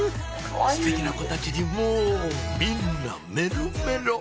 ステキな子たちにもうみんなメロメロ！